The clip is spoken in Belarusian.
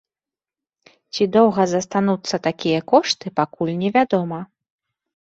Ці доўга застануцца такія кошты, пакуль невядома.